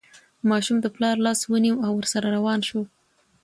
ماشوم د پلار لاس ونیو او ورسره روان شو.